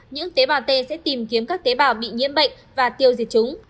những tế bào t sẽ tìm kiếm các tế bào bị nhiễm bệnh và tiêu diệt chúng